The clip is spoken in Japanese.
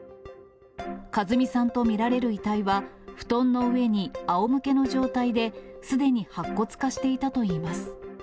和巳さんと見られる遺体は、布団の上にあおむけの状態ですでに白骨化していたといいます。